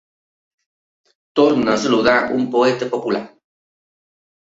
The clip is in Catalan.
Torna a saludar un poeta popular.